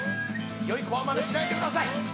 よい子はまねしないでください。